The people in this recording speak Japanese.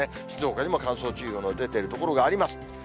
静岡にも乾燥注意報の出ている所があります。